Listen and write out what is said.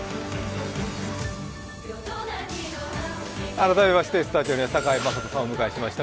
改めましてスタジオには堺雅人さんをお迎えしました。